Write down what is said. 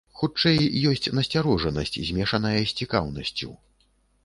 Хутчэй, ёсць насцярожанасць змешаная з цікаўнасцю.